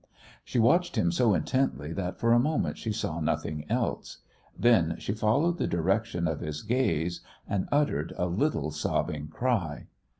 She watched him so intently that for a moment she saw nothing else. Then she followed the direction of his gaze, and uttered a little sobbing cry.